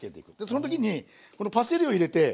その時にこのパセリを入れて。